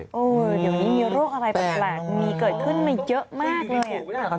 เดี๋ยวนี้มีโรคอะไรแปลกมีเกิดขึ้นมาเยอะมากเลย